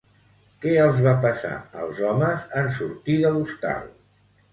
Què els va passar als homes en sortir de l'hostal?